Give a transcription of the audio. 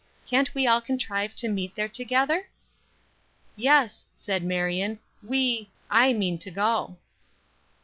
Can't we all contrive to meet there together?" "Yes," said Marion, "we I mean to go."